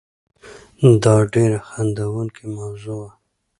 دا تر ډېره خندوونکې موضوع وه.